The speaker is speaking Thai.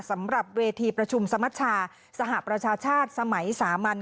สำหรับเวทีประชุมสมชาสหประชาชาติสมัยสามัญ